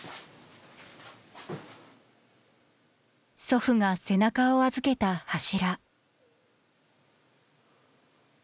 祖父が背中を預けた柱。